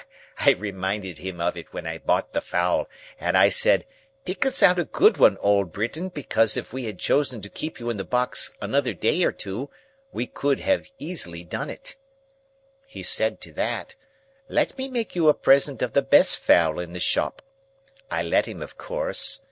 I reminded him of it when I bought the fowl, and I said, "Pick us out a good one, old Briton, because if we had chosen to keep you in the box another day or two, we could easily have done it." He said to that, "Let me make you a present of the best fowl in the shop." I let him, of course.